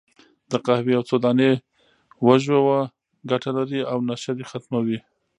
د قهوې یو څو دانې وژووه، ګټه لري، او نشه دې ختمه وي.